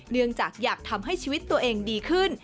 เนื่องจากอยากทำให้ชีวิตตัวเองดีขึ้น